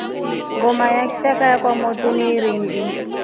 Ngoma ya kishakaa cha kwa motu ni iringi.